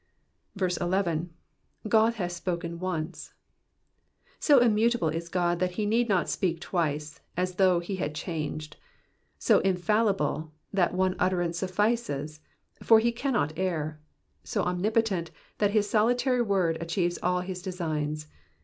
• 11. ^^Ood hath spoken once,''^ So inmautable is God that he need not speak twice, as though he had changed ; so infallible, that one utterance suffices, for he cannot err ; so omnipotent, that his solitary word achieves all his designs.